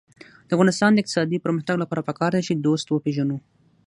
د افغانستان د اقتصادي پرمختګ لپاره پکار ده چې دوست وپېژنو.